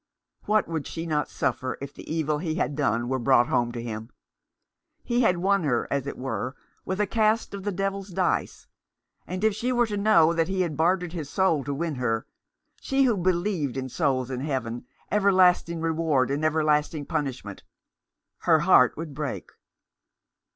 What would she not suffer if the evil he had done were brought home to him ? He had won her, as it were, with a cast of the devil's dice ; and if she were to know that he had bartered his soul to win her — she who believed in souls, and heaven, everlasting reward and everlast ing punishment — her heart would break.